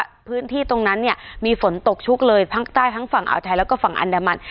พื้นที่ตรงนั้นเนี่ยมีฝนตกชุกเลยภาคใต้ทั้งฝั่งอ่าวไทยแล้วก็ฝั่งอันดามัน